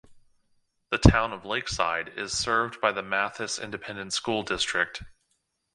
The Town of Lakeside is served by the Mathis Independent School District.